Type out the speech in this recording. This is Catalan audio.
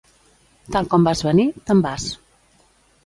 Tal com vas venir, te'n vas.